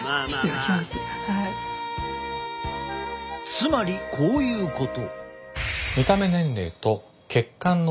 つまりこういうこと。